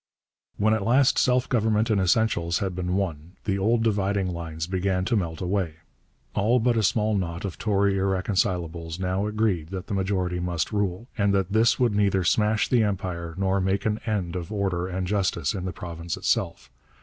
When at last self government in essentials had been won, the old dividing lines began to melt away. All but a small knot of Tory irreconcilables now agreed that the majority must rule, and that this would neither smash the Empire nor make an end of order and justice in the province itself.